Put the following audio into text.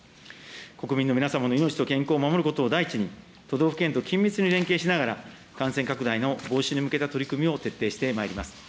国民の皆様の命と健康を守ることを第一に、都道府県と緊密に連携しながら、感染拡大の防止に向けた取り組みを徹底してまいります。